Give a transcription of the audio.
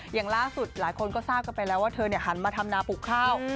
อย่างล่าสุดหลายคนก็ทราบกันไปแล้วว่าเธอหันมาทำนาปลูกข้าว